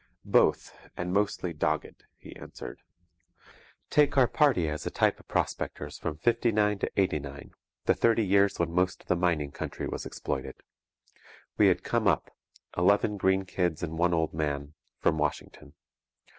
'Both and mostly dogged,' he answered. 'Take our party as a type of prospectors from '59 to '89, the thirty years when the most of the mining country was exploited. We had come up, eleven green kids and one old man, from Washington.